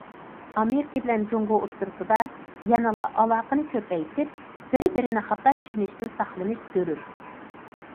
ئامېرىكا بىلەن جۇڭگو ئوتتۇرىسىدا يەنىلا ئالاقىنى كۆپەيتىپ، بىر- بىرىنى خاتا چۈشىنىشتىن ساقلىنىش زۆرۈر.